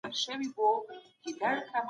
شاه امان الله خان د خلکو ملاتړ ترلاسه کړ.